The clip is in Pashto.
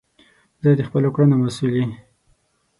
زه د خپلو کړونو مسول یی